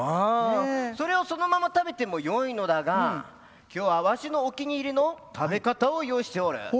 それをそのまま食べてもよいのだが今日はわしのお気に入りの食べ方を用意しておる。